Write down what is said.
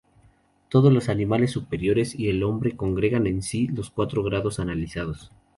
Todos los animales superiores y el hombre congregan en sí los cuatro grados analizados.